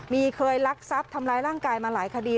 มีเคยลักทรัพย์ทำร้ายร่างกายมาหลายคดี